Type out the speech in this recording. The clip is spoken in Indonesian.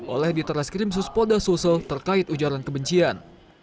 oleh diteras krimsus poda sosial terkait ujaran kebencian